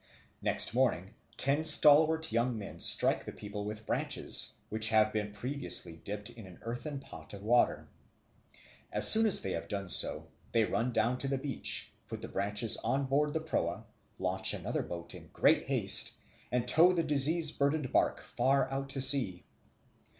Next morning ten stalwart young men strike the people with branches, which have been previously dipped in an earthen pot of water. As soon as they have done so, they run down to the beach, put the branches on board the proa, launch another boat in great haste, and tow the disease burdened bark far out to sea.